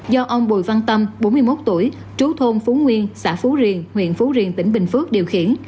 do ông bùi văn tâm bốn mươi một tuổi trú thôn phú nguyên xã phú riềng huyện phú riềng tỉnh bình phước điều khiển